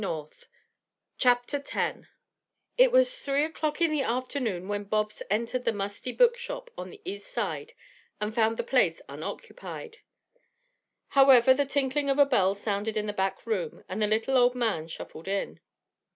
BOBS AS BOOKSELLER It was three o'clock in the afternoon when Bobs entered the musty book shop on the East Side and found the place unoccupied. However, the tinkling of a bell sounded in the back room and the little old man shuffled in.